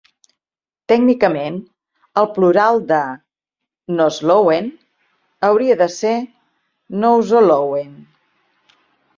Tècnicament, el plural de "Nos Lowen" hauria de ser "Noswo Lowen".